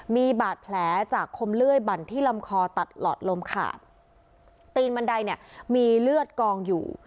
มีบาดแผลจากคมเลื่อยบั่นที่ลำคอตัดหลอดลมขาดตีนบันไดเนี่ยมีเลือดกองอยู่